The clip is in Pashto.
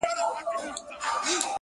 نن قانون او حیا دواړه له وطنه کوچېدلي!!